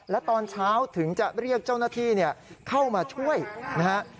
และตอนเช้าถึงจะเรียกเจ้าหน้าที่เข้ามาช่วยนะฮะ